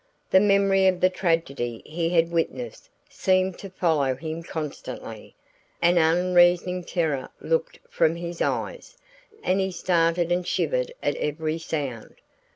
The memory of the tragedy he had witnessed seemed to follow him constantly; an unreasoning terror looked from his eyes, and he started and shivered at every sound.